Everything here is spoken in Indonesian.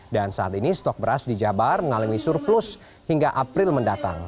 dan saat ini stok beras di jabar mengalami surplus hingga april mendatang